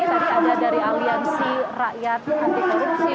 tadi ada dari aliansi rakyat anti korupsi